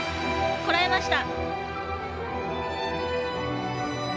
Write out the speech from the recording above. こらえました。